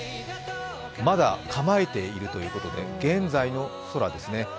まだ構えているということで現在の空ですね。